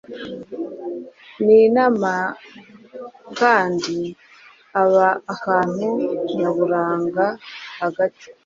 nimanakandi aba ahantu nyaburanga hagati